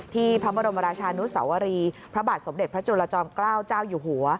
พระบรมราชานุสวรีพระบาทสมเด็จพระจุลจอมเกล้าเจ้าอยู่หัว